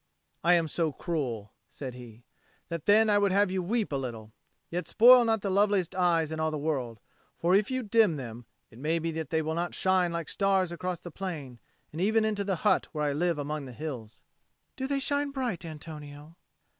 "I am so cruel," said he, "that then I would have you weep a little: yet spoil not the loveliest eyes in all the world; for if you dim them, it may be that they will not shine like stars across the plain and even into the hut where I live among the hills." "Do they shine bright, Antonio?"